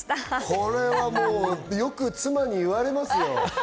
これは、よく妻に言われますよ。